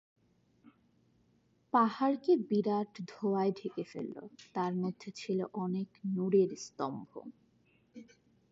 পাহাড়কে বিরাট ধোয়ায় ঢেকে ফেলল, তার মধ্যে ছিল অনেকগুলো নূরের স্তম্ভ।